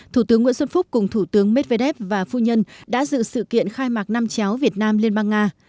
thủ tướng nguyễn xuân phúc cùng thủ tướng medvedev và phu nhân đã dự sự kiện khai mạc năm chéo việt nam liên bang nga